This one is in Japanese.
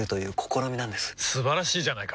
素晴らしいじゃないか！